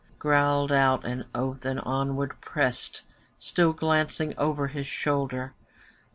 Growled out an oath and onward pressed, Still glancing over his shoulder.